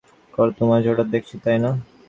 আমি এতদিন নিজেকে যা মনে করতুম আজ হঠাৎ দেখছি তা নই।